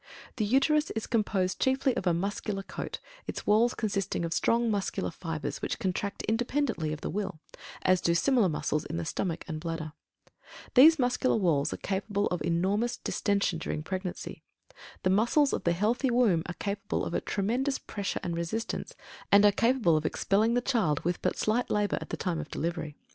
The Uterus is composed chiefly of a muscular coat, its walls consisting of strong muscular fibres which contract independently of the will, as do similar muscles in the stomach and bladder. These muscular walls are capable of enormous distention during pregnancy. The muscles of the healthy womb are capable of a tremendous pressure and resistance, and are capable of expelling the child with but slight labor at the time of delivery.